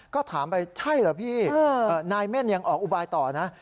ก็ถามไปใช่เหรอพี่นายเม่นยังออกอุบายต่อนะ